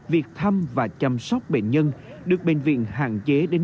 việc thăm và chăm sóc bệnh nhân được bệnh viện hạn chế đến